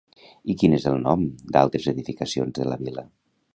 I quin és el nom d'altres edificacions de la vila?